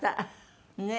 ねえ。